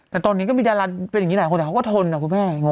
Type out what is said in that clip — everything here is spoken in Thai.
แต่ตอนนี้ก็มีดาราเป็นอย่างนี้หลายคนแต่เขาก็ทนนะคุณแม่